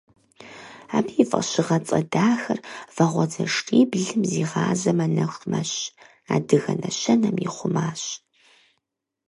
Абы и фӀэщыгъэцӀэ дахэр «Вагъуэзэшиблым зигъазэмэ, нэху мэщ» адыгэ нэщэнэм ихъумащ.